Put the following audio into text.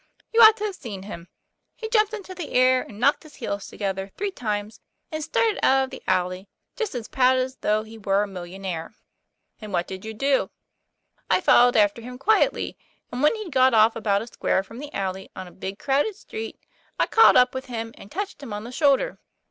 You ought to have seen him. He jumped into the air and knocked his heels together TOM PL A YFAIR. 161 three times, and started out of the alley, just as proud as though he were a millionaire." " And what did you do ?'" I followed after him quietly; and when he'd got off about a square from the alley on a big crowded street, I caught up with him, and touched him on the shoulder.